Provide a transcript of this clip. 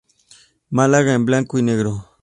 Málaga en Blanco y Negro.